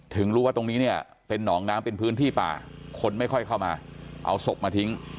ถึงรู้ว่าตรงนี้เนี่ยเป็นหนองน้ำเป็นพื้นที่ป่าคนไม่ค่อยเข้ามาเอาศพมาทิ้ง